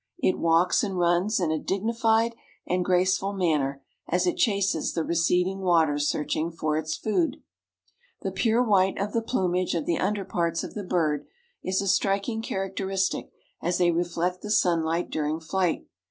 It walks and runs in a dignified and graceful manner as it chases the receding water searching for its food. The pure white of the plumage of the under parts of the bird is a striking characteristic as they reflect the sunlight during flight.